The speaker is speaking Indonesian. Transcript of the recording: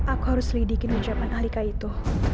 aku harus lidikin ucapan alika itu